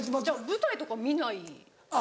舞台とか見ないですか？